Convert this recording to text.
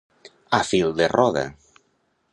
A fil de roda.